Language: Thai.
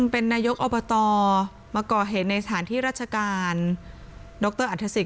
เป็นนายกอบตมาก่อเหตุในสถานที่ราชการดรอัฐศิษ